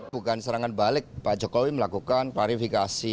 bukan serangan balik pak jokowi melakukan klarifikasi